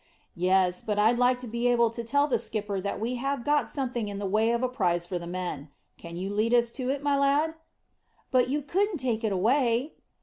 "Yes; but I'd like to be able to tell the skipper that we have got something in the way of a prize for the men. Can you lead us to it, my lad?" "But you couldn't take it away."